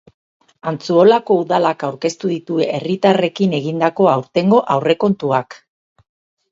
Antzuolako Udalak aurkeztu ditu herritarrekin egindako aurtengo aurrekontuak.